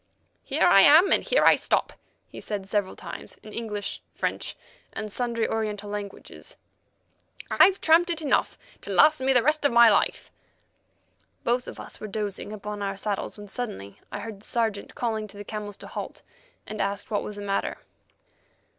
"Here I am and here I stop," he said several times, in English, French, and sundry Oriental languages. "I've tramped it enough to last me the rest of my life." Both of us were dozing upon our saddles when suddenly I heard the Sergeant calling to the camels to halt and asked what was the matter.